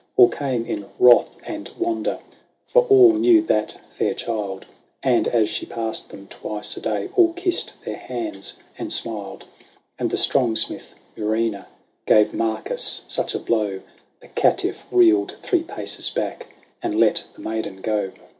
All came in wrath and wonder ; for all knew that fair child ; And, as she passed them twice a day, all kissed their hands and smiled ; And the strong smith Muraena gave Marcus such a blow. The caitiff reeled three paces back, and let the maiden go.